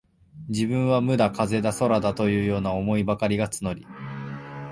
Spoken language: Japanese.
自分は無だ、風だ、空だ、というような思いばかりが募り、